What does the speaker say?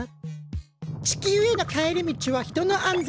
地球への帰り道は人の安全が最優先。